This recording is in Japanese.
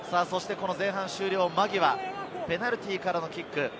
前半終了間際、ペナルティーからのキック。